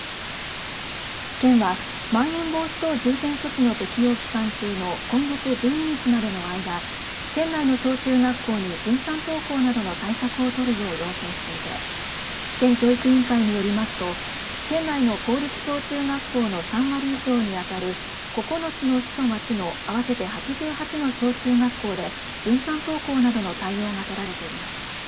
県は、まん延防止等重点措置の適用期間中の今月１２日までの間県内の小中学校に分散登校などの対策を取るよう要請していて県教育委員会によりますと県内の公立小中学校の３割以上に当たる９つの市と町の合わせて８８の小中学校で分散登校などの対応が取られています。